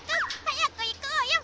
早く行こうよ！